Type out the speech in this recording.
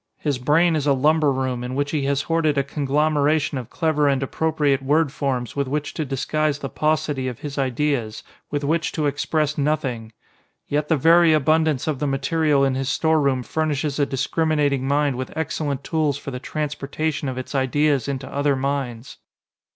His brain is a lumber room in which he has hoarded a conglomeration of clever and appropriate word forms with which to disguise the paucity of his ideas, with which to express nothing! Yet the very abundance of the material in his storeroom furnishes a discriminating mind with excellent tools for the transportation of its ideas into other minds.